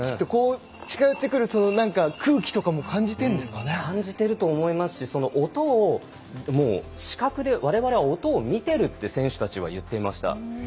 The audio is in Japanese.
近寄ってくる空気とかも感じていると思いますしその音を視覚でわれわれは音を見ていると選手たちは言っていました。